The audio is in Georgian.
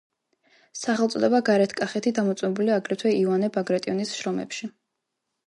სახელწოდება გარეთ კახეთი დამოწმებულია, აგრეთვე იოანე ბაგრატიონის შრომებში.